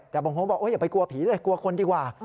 แต่บางคนบอกอย่าไปกลัวผีเลยกลัวคนดีกว่า